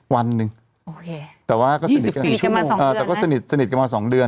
วันหนึ่งโอเคแต่ว่าก็สนิทกัน๔ชั่วโมงเออแต่ก็สนิทสนิทกันมาสองเดือน